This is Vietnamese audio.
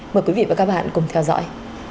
mời quý vị và các bạn cùng theo dõi